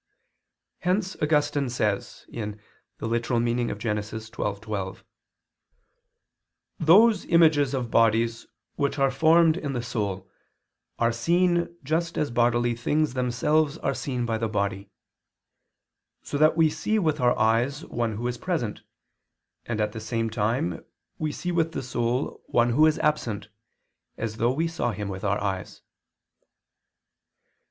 Hence Augustine says (Gen. ad lit. xii, 12): "Those images of bodies which are formed in the soul are seen just as bodily things themselves are seen by the body, so that we see with our eyes one who is present, and at the same time we see with the soul one who is absent, as though we saw him with our eyes."